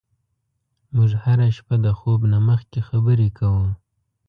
موږ هره شپه د خوب نه مخکې خبرې کوو.